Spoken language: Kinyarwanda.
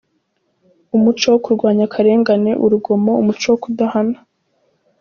Umuco wo kurwanya akarengane, urugomo, umuco wo kudahana.